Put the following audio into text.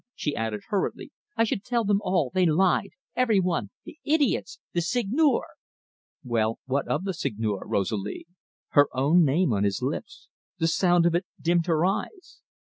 she added hurriedly. "I should tell them all they lied every one the idiots! The Seigneur " "Well, what of the Seigneur Rosalie?" Her own name on his lips the sound of it dimmed her eyes.